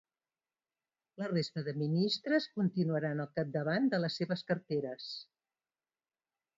La resta de ministres continuaran al capdavant de les seves carteres.